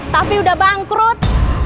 tapi udah bangkrut